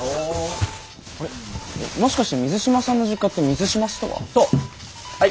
あれもしかして水島さんの実家ってミズシマストア？